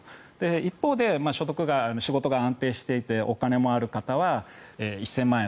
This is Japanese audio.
一方で所得が、仕事が安定していてお金がある方は１０００万円